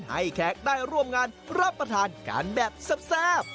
แขกได้ร่วมงานรับประทานกันแบบแซ่บ